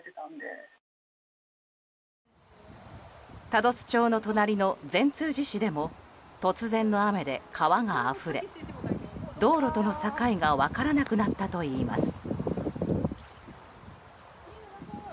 多度津町の隣の善通寺市でも突然の雨で川があふれ道路との境が分からなくなったといいます。